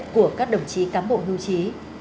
của các đồng chí cán bộ hiêu chí